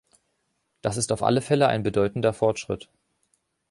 Das ist auf alle Fälle ein bedeutender Fortschritt.